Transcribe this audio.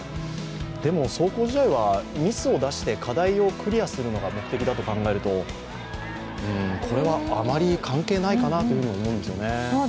でも、壮行試合はミスを出して課題をクリアするのが目的だと考えるとこれは、あまり関係ないかなと思うんですよね。